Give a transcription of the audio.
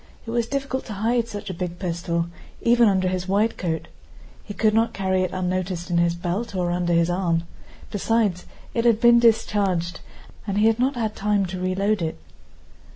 It was difficult to hide such a big pistol even under his wide coat. He could not carry it unnoticed in his belt or under his arm. Besides, it had been discharged, and he had not had time to reload it.